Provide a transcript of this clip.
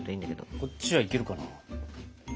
こっちはいけるかな。